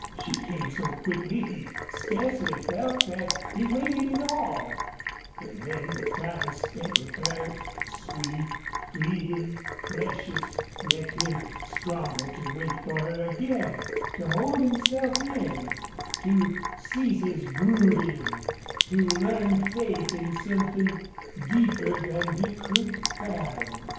She came so quickly he scarcely felt that he waited at all; and then the time spent with her, sweet, fleeting, precious, left him stronger to wait for her again, to hold himself in, to cease his brooding, to learn faith in something deeper than he could fathom.